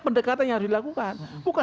pendekatan yang harus dilakukan bukan